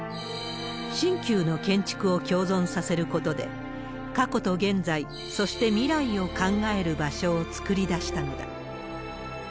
新旧の建築を共存させることで過去と現在、そして未来を考える場所を作り出したのだ。